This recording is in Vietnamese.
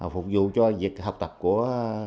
phục vụ cho việc học tập của